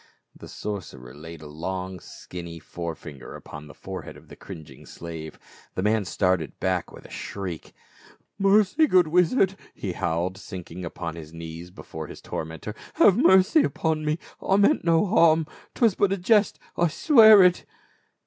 The sorcerer laid a long skinny fore finger upon the forehead of the cringing slave ; the man started back with a shriek. " Mercy, good wizard !" he howled, sinking upon his knees before his tormentor, " have mercy upon me, I meant no harm ; 'twas but a jest — I swear it